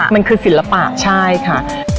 มันคือศิลปะใช่ค่ะ